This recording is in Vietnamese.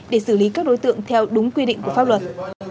để xử lý các đối tượng theo đúng quy định của pháp luật